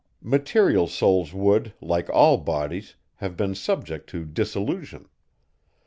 Material souls would, like all bodies, have been subject to dissolution.